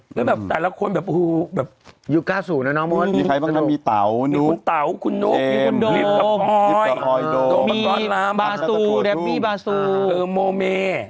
ก็แบบแต่ละคนแบบอยู่ก้าสูนะเนาะมีใครบ้างมีเต๋านุ๊กมีคุณเต๋าคุณนุ๊กมีคุณโดมลิฟต์กระพรอยโดมมีบาซูแดปปี้บาซูโมเม